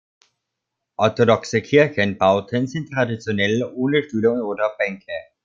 Orthodoxe Kirchenbauten sind traditionell ohne Stühle oder Bänke.